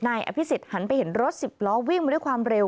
นายอภิษฎหันไปเห็นรถสิบล้อวิ่งมาด้วยความเร็ว